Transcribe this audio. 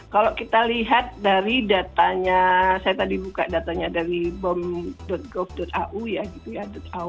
kalau kita lihat dari datanya saya tadi buka datanya dari bom gov au ya gitu ya